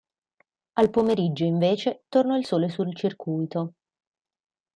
Al pomeriggio invece tornò il sole sul circuito.